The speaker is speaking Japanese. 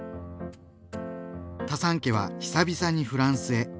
タサン家は久々にフランスへ。